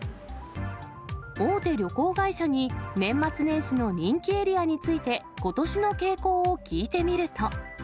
大手旅行会社に、年末年始の人気エリアについて、ことしの傾向を聞いてみると。